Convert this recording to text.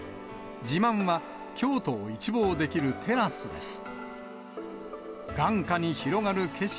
自慢は、京都を一望できるテラスです。